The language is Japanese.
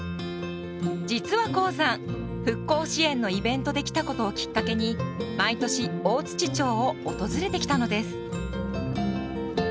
実はコウさん復興支援のイベントで来たことをきっかけに毎年大町を訪れてきたのです。